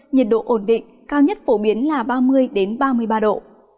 nhiệt độ ổn định cao nhất phổ biến là ba mươi ba mươi ba độ